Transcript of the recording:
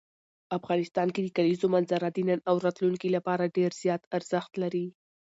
افغانستان کې د کلیزو منظره د نن او راتلونکي لپاره ډېر زیات ارزښت لري.